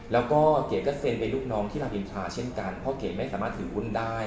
แล้วก็เก๋ก็เซ็นไปลูกน้องที่รามอินทราเช่นกันเพราะเกดไม่สามารถถือหุ้นได้